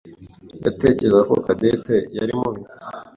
yatekerezaga ko Cadette yari mubi.